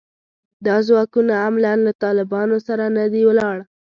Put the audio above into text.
دا ځواکونه عملاً له طالبانو سره نه دي ولاړ